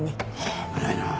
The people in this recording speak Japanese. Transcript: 危ないなあ。